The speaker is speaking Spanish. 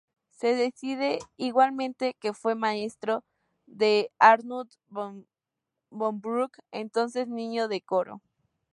Se dice igualmente que fue maestro de Arnold von Bruck, entonces niño de coro.